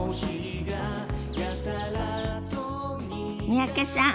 三宅さん